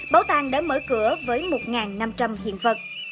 bảo tàng đã mở cửa với một năm trăm linh hiện vật